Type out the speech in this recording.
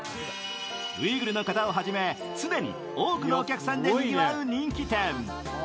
ウイグルの方をはじめ常に多くのお客さんでにぎわう人気店。